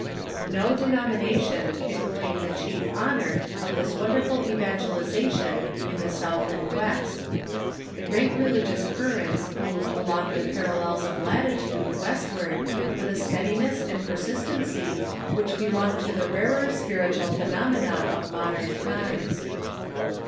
No denomination can claim the chief honor of this wonderful evangelization in the South and West. The great religious currents moved along the parallels of latitude westward with a steadiness and per sistency which belong to the rarer spiritual phenomena of modern times.